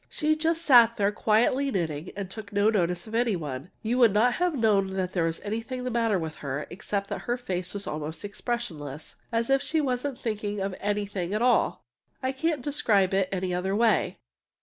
She just sat there quietly knitting, and took no notice of any one. You would not have known that there was anything the matter with her, except that her face was almost expressionless as if she wasn't thinking of anything at all. I can't describe it any other way.